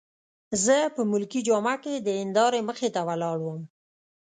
زه په ملکي جامه کي د هندارې مخې ته ولاړ وم.